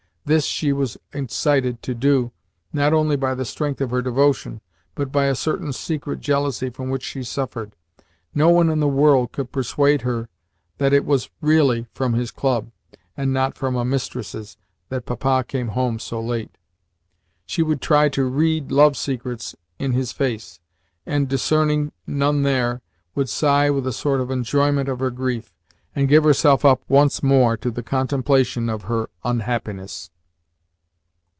This she was incited to do, not only by the strength of her devotion, but by a certain secret jealousy from which she suffered. No one in the world could persuade her that it was REALLY from his club, and not from a mistress's, that Papa came home so late. She would try to read love secrets in his face, and, discerning none there, would sigh with a sort of enjoyment of her grief, and give herself up once more to the contemplation of her unhappiness.